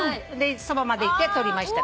そばまで行って撮りました。